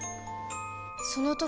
その時